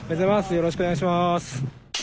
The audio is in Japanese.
よろしくお願いします。